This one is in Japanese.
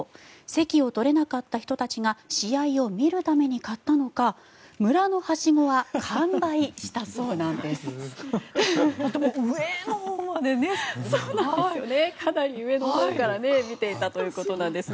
席を取れなかった人たちが試合を見るために買ったのか村のはしごが完売したそうなんです。